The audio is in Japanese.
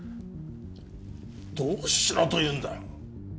どうしろというんだ！？